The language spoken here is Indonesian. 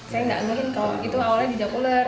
saya nggak anehin kalau itu awalnya jejak ular